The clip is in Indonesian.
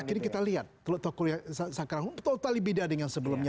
akhirnya kita lihat teluk tokyo sekarang total dibedah dengan sebelumnya